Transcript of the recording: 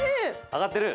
揚がってる？